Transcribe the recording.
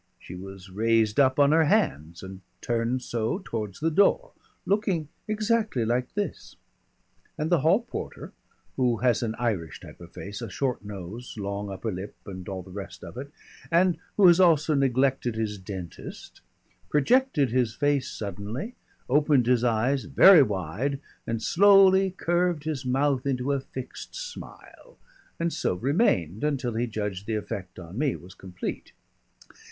She was raised up on her hands, and turned so towards the door. Looking exactly like this " And the hall porter, who has an Irish type of face, a short nose, long upper lip, and all the rest of it, and who has also neglected his dentist, projected his face suddenly, opened his eyes very wide, and slowly curved his mouth into a fixed smile, and so remained until he judged the effect on me was complete.